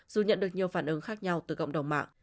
dù nhận được nhiều phản ứng khác nhau từ cộng đồng mạng